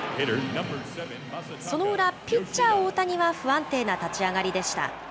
その裏、ピッチャー、大谷は不安定な立ち上がりでした。